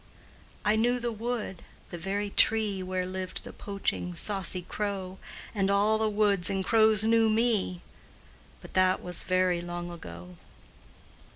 I knew the wood, the very tree Where lived the poaching, saucy crow, And all the woods and crows knew me But that was very long ago.